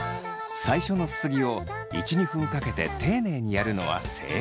最初のすすぎを１２分かけて丁寧にやるのは正解。